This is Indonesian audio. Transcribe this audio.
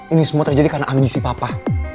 ini semua terjadi karena ambisi papa